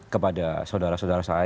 kepada saudara saudara saya